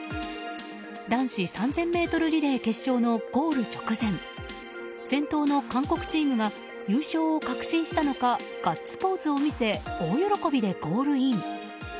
男子３０００ｍリレー決勝のゴール直前先頭の韓国チームが優勝を確信したのかガッツポーズを見せ大喜びでゴールイン。